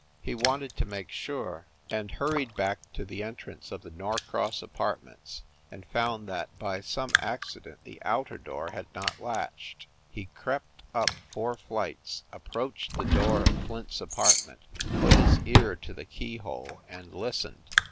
He wanted to make sure, and hurried back to the entrance of the Nor 264 FIND THE .WOMAN cross Apartments, and found that, by some accident, the outer door had not latched. He crept up four flights, approached the door of Flint s apartment, put his ear to the keyhole and listened.